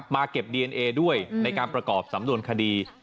เก็บดีเอนเอด้วยในการประกอบสำนวนคดี